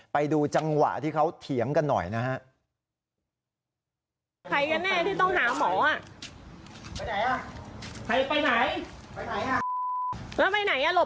ไปดูจังหวะที่เขาเถียงกันหน่อยนะฮะ